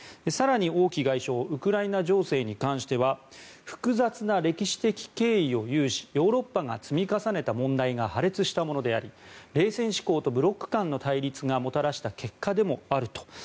更に王毅外相ウクライナ情勢に関しては複雑な歴史的経緯を有しヨーロッパが積み重ねた問題が破裂したものであり、冷戦思考とブロック間の対立がもたらした結果でもあると。